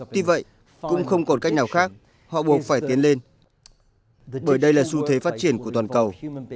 tuy vậy cũng không còn cách nào khác họ buộc phải tiến lên bởi đây là xu thế phát triển của toàn cầu